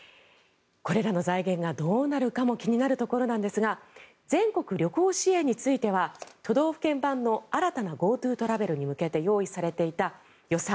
これらの財源がどうなるかも気になるところなんですが全国旅行支援については都道府県版の新たなＧｏＴｏトラベルに向けて用意されていた予算